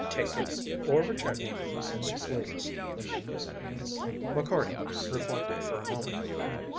Take it, or reject it, as you please." McCarty reflected for a moment.